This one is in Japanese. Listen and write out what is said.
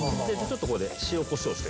ここで塩コショウして。